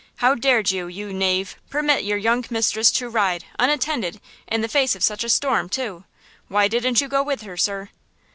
How dared you, you knave, permit your young mistress to ride, unattended, in the face of such a storm, too! Why didn't you go with her, sir?"